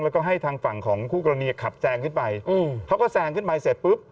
แล้วก็ให้ทางฝั่งของคู่กรณีขับแซงขึ้นไปอืมเขาก็แซงขึ้นไปเสร็จปุ๊บ